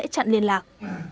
chẳng liên lạc